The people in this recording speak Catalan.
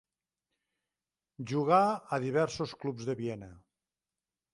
Jugà a diversos clubs de Viena.